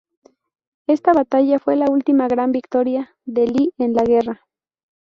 Esta batalla fue la última gran victoria de Lee en la guerra.